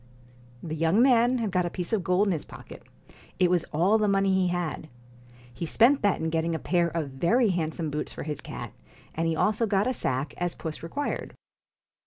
The young man had got a piece of gold in his pocket ; it was all the money he had. He spent that in getting a pair of very handsome boots for his cat, and he also got a sack, as puss required.